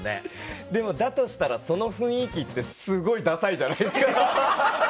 でもだとしたらその雰囲気ってすごいダサいじゃないですか。